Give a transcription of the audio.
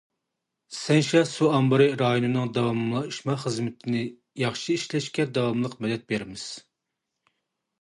سەنشيا سۇ ئامبىرى رايونىنىڭ داۋاملاشما خىزمىتىنى ياخشى ئىشلەشكە داۋاملىق مەدەت بېرىمىز.